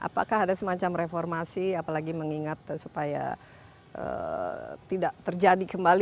apakah ada semacam reformasi apalagi mengingat supaya tidak terjadi kembali